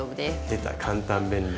出た簡単便利。